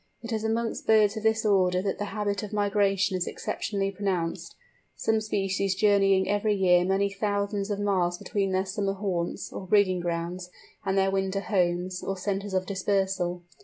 It is amongst birds of this order that the habit of migration is exceptionally pronounced, some species journeying every year many thousands of miles between their summer haunts, or breeding grounds, and their winter homes, or centres of dispersal.